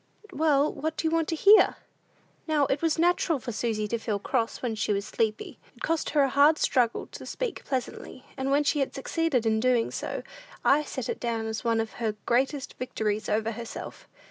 "Well, what do you want to hear?" Now, it was natural for Susy to feel cross when she was sleepy. It cost her a hard struggle to speak pleasantly, and when she succeeded in doing so, I set it down as one of her greatest victories over herself.